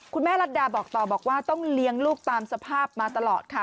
แม่รัฐดาบอกต่อบอกว่าต้องเลี้ยงลูกตามสภาพมาตลอดค่ะ